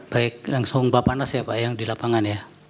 baik langsung bapak nas ya pak yang di lapangan ya